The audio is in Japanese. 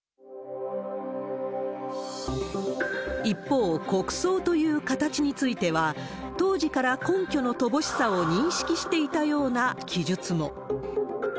一方、国葬という形については、当時から根拠の乏しさを認識していたような記述も。